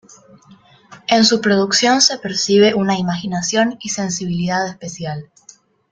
En su producción se percibe una imaginación y sensibilidad especial.